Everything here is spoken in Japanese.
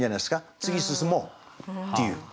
次進もうっていう。